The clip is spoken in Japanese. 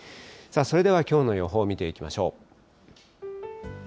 それではきょうの予報を見ていきましょう。